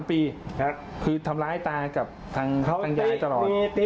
ปีคือทำร้ายตากับทางยายตลอด